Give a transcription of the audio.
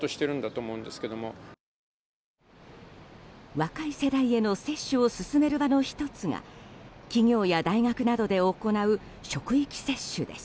若い世代への接種を進める場の１つが企業や大学などで行う職域接種です。